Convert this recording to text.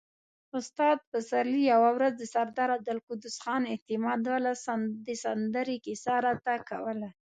استاد پسرلي يوه ورځ د سردار عبدالقدوس خان اعتمادالدوله د سندرې کيسه راته کوله.